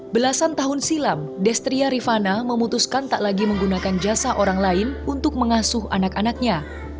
belasan tahun silam destria rifana memutuskan tak lagi menggunakan jasa orang lain untuk mengasuh anak anaknya